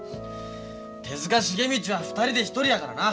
手塚茂道は２人で１人やからな。